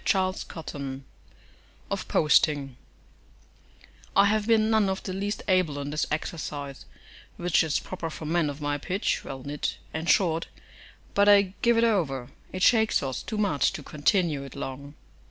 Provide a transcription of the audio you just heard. CHAPTER XXII OF POSTING I have been none of the least able in this exercise, which is proper for men of my pitch, well knit and short; but I give it over; it shakes us too much to continue it long.